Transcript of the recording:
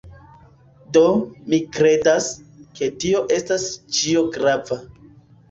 Do, mi kredas, ke tio estas ĉio grava.